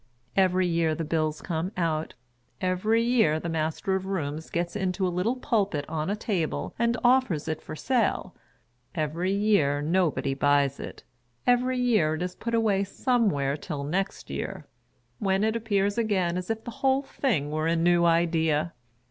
Every year the bills come out, every year the Master of the Rooms gets into a little pulpit on a table and offers it for sale, every year nobody buys it, every year it is put away somewhere until next year when it appears again as if the whole thing were a new idea.